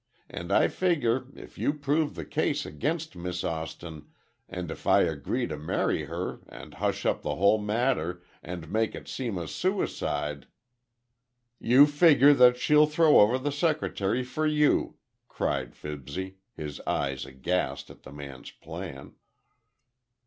And I figure, if you prove the case against Miss Austin, and if I agree to marry her and hush up the whole matter, and make it seem a suicide—" "You figure that she'll throw over the secretary for you," cried Fibsy, his eyes aghast at the man's plan.